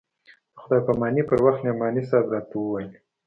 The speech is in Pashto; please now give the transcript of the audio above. د خداى پاماني پر وخت نعماني صاحب راته وويل.